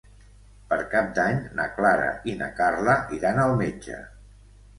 Per Cap d'Any na Clara i na Carla iran al metge.